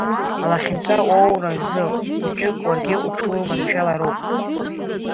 Алахьынҵа уоуразы хәыҷык уаргьы уҽурманшәалароуп!